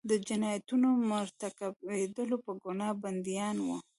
د جنایتونو مرتکبیدلو په ګناه بندیان وو.